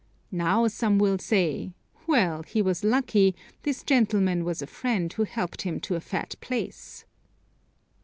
Now some will say: "Well, he was lucky, this gentleman was a friend who helped him to a fat place."